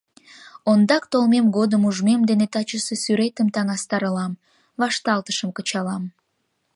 Ондак толмем годым ужмем дене тачысе сӱретым таҥастарылам, вашталтышым кычалам.